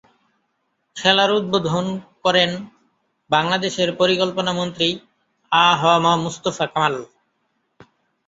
খেলার উদ্বোধন করেন বাংলাদেশের পরিকল্পনা মন্ত্রী আ হ ম মুস্তফা কামাল।